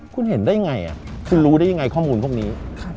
คุณเห็นได้ยังไงคุณรู้ได้ยังไงข้อมูลพวกนี้